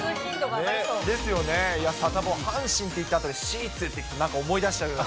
サタボー、阪神って言ったあとにシーツって聞くと、なんか思い出しちゃう。